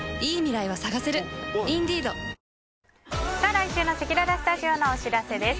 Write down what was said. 来週のせきららスタジオのお知らせです。